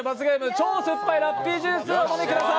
超酸っぱいラッピージュースを飲んでください。